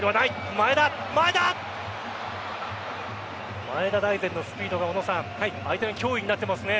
前田大然のスピードが相手の脅威になってますね。